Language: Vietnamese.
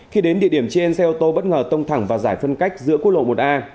khi đến địa điểm trên xe ô tô bất ngờ tông thẳng vào giải phân cách giữa quốc lộ một a